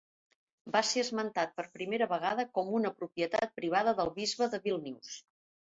Va ser esmentat per primera vegada com una propietat privada del bisbe de Vílnius.